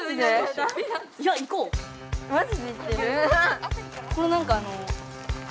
マジで言ってる？